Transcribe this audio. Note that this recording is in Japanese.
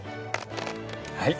はい。